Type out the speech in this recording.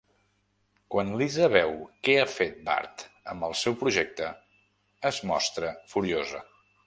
Quan Lisa veu què ha fet Bart amb el seu projecte, es mostra furiosa.